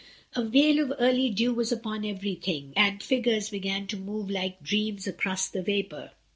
A veil of early dew was upon everything, and figures began to move like dreams across the vapour.